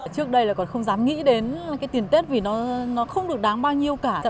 trước đây là còn không dám nghĩ đến cái tiền tết vì nó không được đáng bao nhiêu cả